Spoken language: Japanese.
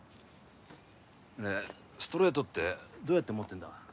ストレートってどうやって持ってんだ？